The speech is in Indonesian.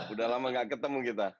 udah lama gak ketemu kita